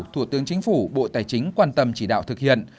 thủ tướng chính phủ bộ tài chính quan tâm chỉ đạo thực hiện